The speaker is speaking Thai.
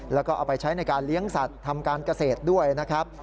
แล้วก็เอาไปใช้ในการเลี้ยงสัตว์ทำการเกษตรด้วยนะครับ